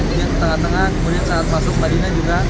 kemudian di tengah tengah kemudian saat masuk madinah juga